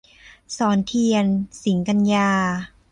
สรเทียน สิงกันยา